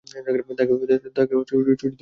তাকে বসিয়ে দাও।